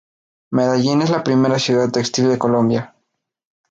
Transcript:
Medellín es la primera ciudad textil de Colombia.